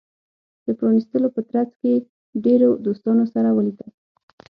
د پرانېستلو په ترڅ کې ډیرو دوستانو سره ولیدل.